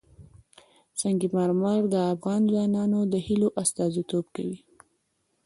سنگ مرمر د افغان ځوانانو د هیلو استازیتوب کوي.